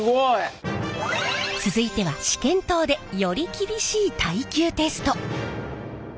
続いては試験棟でより厳しい耐久テスト！